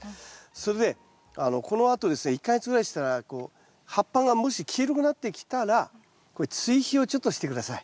それでこのあとですね１か月ぐらいしたらこう葉っぱがもし黄色くなってきたら追肥をちょっとして下さい。